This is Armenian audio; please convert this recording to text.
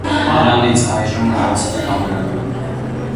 Նրանից այժմ մնացել են ավերակներ։